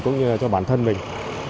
cũng như cho bản thân mình